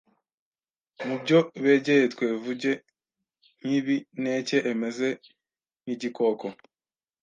Mu byo begeye twevuge nk’ibi: neke emeze nk’igikoko